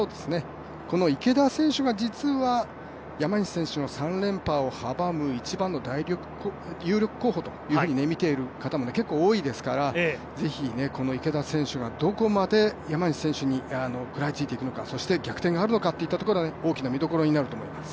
この池田選手が実は山西選手の３連覇を阻む一番の有力候補と見ている方も結構多いですから、是非、この池田選手がどこまで山西選手に食らいついていくのかそして逆転があるのかというところが大きな見どころになると思います。